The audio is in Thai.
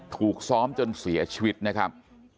ถูกซ้อมจนเสียชีวิตนะครับ